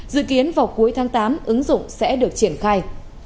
dự kiến vào cuối tháng tám ứng dụng sẽ được triển khai